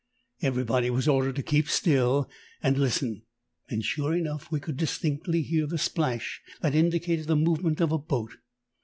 Everybody was ordered to keep still and listen, and sure enough we could distinctly hear the splash that indicated the movement of a boat.